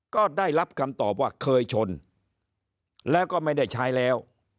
ก็ได้รับคำตอบว่าเคยชนแล้วก็ไม่ได้ใช้แล้ว